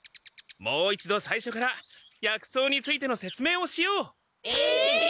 もう一度さいしょから薬草についてのせつめいをしよう！え！？